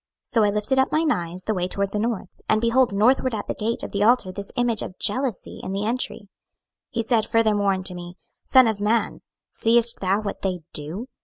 So I lifted up mine eyes the way toward the north, and behold northward at the gate of the altar this image of jealousy in the entry. 26:008:006 He said furthermore unto me, Son of man, seest thou what they do?